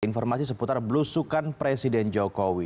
informasi seputar belusukan presiden jokowi